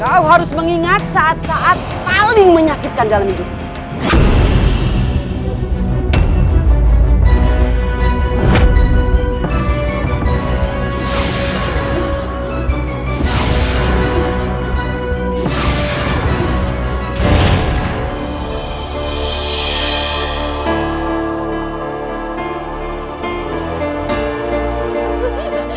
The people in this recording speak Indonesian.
kau harus mengingat saat saat paling menyakitkan dalam hidupmu